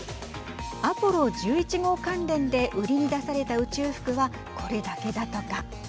アポロ１１号関連で売りに出された宇宙服はこれだけだとか。